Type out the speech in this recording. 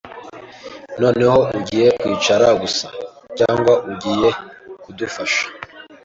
Noneho, ugiye kwicara gusa, cyangwa ugiye kudufasha?